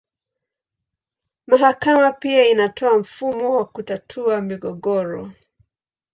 Mahakama pia inatoa mfumo wa kutatua migogoro.